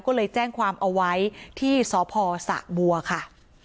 ก็เลยแจ้งความเอาไว้ที่สพสะบัวค่ะ